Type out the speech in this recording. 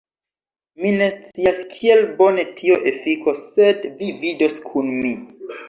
Mi ne scias kiel bone tio efikos sed vi vidos kun mi